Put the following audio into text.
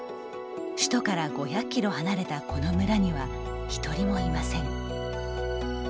首都から５００キロ離れたこの村には１人もいません。